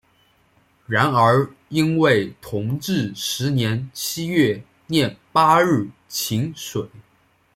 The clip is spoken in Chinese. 然而因为同治十年七月廿八日请水。